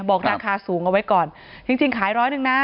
บอกราคาสูงเอาไว้ก่อนจริงจริงขายร้อยหนึ่งนะ